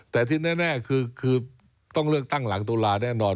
แต่ที่แน่คือต้องเลือกตั้งหลังตุลาแน่นอน